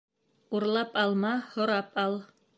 Урлап алма, һорап ал.